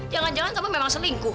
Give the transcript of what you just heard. jangan jangan kamu memang selingkuh